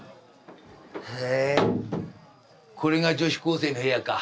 へえこれが女子高生の部屋か。